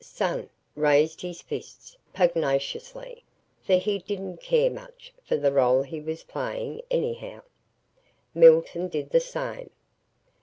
"Son" raised his fists pugnaciously, for he didn't care much for the role he was playing, anyhow. Milton did the same.